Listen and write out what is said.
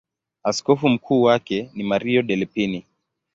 Askofu mkuu wake ni Mario Delpini.